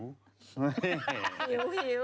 หิว